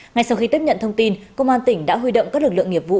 ngay sau khi tiếp nhận thông tin công an tỉnh đã huy động các lực lượng nghiệp vụ